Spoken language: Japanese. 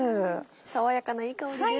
爽やかないい香りです。